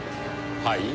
はい？